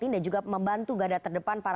dan juga membantu gadah terdepan para